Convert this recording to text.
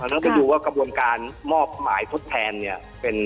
ต้องไปดูว่ากระบวนการมอบหมายทดแทนเนี่ย